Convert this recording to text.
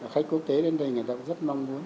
khách quốc tế đến đây người ta cũng rất mong muốn